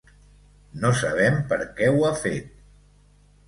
No sabem per què ho ha fet.